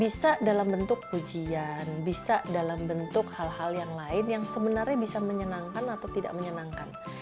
bisa dalam bentuk pujian bisa dalam bentuk hal hal yang lain yang sebenarnya bisa menyenangkan atau tidak menyenangkan